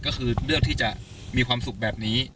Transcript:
ก็คือเลือกที่จะมีความสุขแบบนี้